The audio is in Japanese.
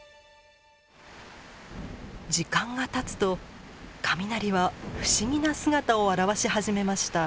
時間がたつと雷は不思議な姿を現し始めました。